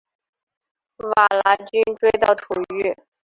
瓦剌军追到土域。